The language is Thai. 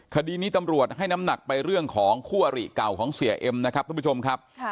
คดีนี้ตำรวจให้น้ำหนักไปเรื่องของคู่อริเก่าของเสียเอ็มนะครับทุกผู้ชมครับ